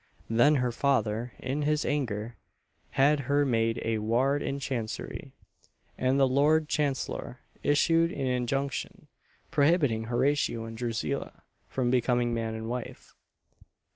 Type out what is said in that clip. Then her father, in his anger, had her made a ward in Chancery, and the Lord Chancellor issued an injunction prohibiting Horatio and Drusilla from becoming man and wife.